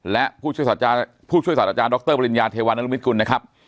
และผู้ช่วยศาสตราจารย์ดรปริญญาเทวานรุมิตกุลนะครับ